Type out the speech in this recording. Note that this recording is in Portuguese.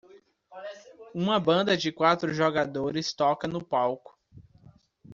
Uma banda de quatro jogadores toca no palco.